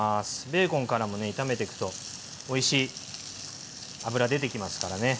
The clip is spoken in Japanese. ベーコンからもね炒めていくとおいしい脂出てきますからね。